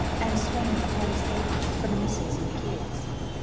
An' swing a —— sabre Fer the missus an' the kids.